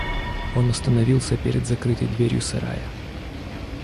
Он остановился перед закрытой дверью сарая.